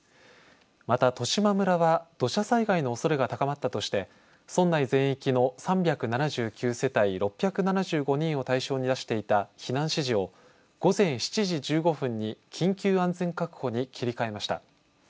また十島村は土砂災害のおそれが高まったとして村内全域の３７９世帯６７５人を対象に出していた避難指示を午前７時１５分に緊急安全確保に切り替えました。